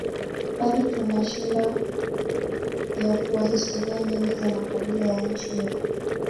Bado tunashida ya kuwa historia nyingi za makabila ya nchi yetu